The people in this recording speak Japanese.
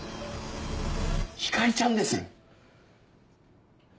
光莉ちゃんです！